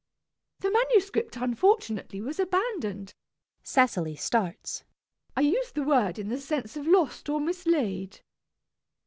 The manuscript unfortunately was abandoned. [Cecily starts.] I use the word in the sense of lost or mislaid.